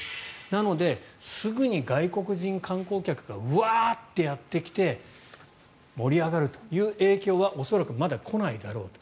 なので、すぐに外国人観光客がウワッてやってきて盛り上がるという影響は恐らくまだ来ないだろうと。